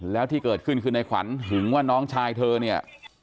แล้วที่เกิดขึ้นคือในขวัญหึงว่าน้องชายเธอเนี่ย